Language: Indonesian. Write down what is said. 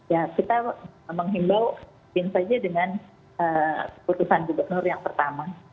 ya kita menghimbauin saja dengan keputusan gubernur yang pertama